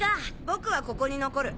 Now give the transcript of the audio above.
僕はここに残る。